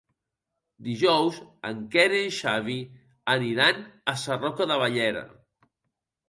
Dijous en Quer i en Xavi aniran a Sarroca de Bellera.